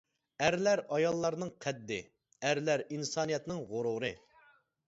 -ئەرلەر، ئاياللارنىڭ قەددى، ئەرلەر ئىنسانىيەتنىڭ غۇرۇرى.